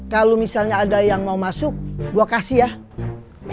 kalau misalnya ada yang mau masuk gue kasih ya